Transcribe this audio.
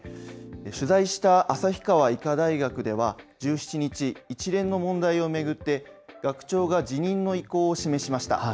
取材した旭川医科大学では、１７日、一連の問題を巡って、学長が辞任の意向を示しました。